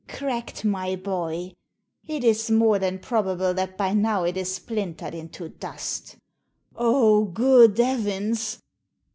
Cracked, my boy. It is more than probable that by now it is splintered into dust" "Oh, good 'evins!